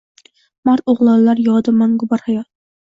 Mard o‘g‘lonlar yodi mangu barhayot